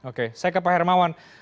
oke saya ke pak hermawan